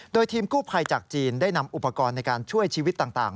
โดยทีมกู้ภัยจากจีนได้นำอุปกรณ์ในการช่วยชีวิตต่าง